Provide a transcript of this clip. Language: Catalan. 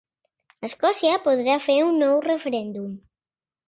Escòcia podrà fer un nou referèndum